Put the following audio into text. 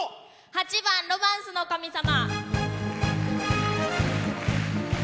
８番「ロマンスの神様」。